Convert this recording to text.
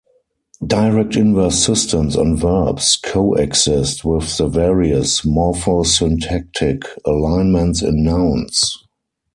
Direct-inverse systems on verbs coexist with the various morphosyntactic alignments in nouns.